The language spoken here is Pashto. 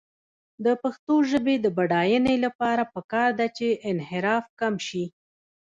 د پښتو ژبې د بډاینې لپاره پکار ده چې انحراف کم شي.